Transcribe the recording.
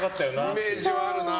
イメージはあるな。